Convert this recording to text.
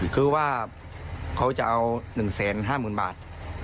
คือว่าเขาจะเอาหนึ่งแสนห้าหมื่นบาท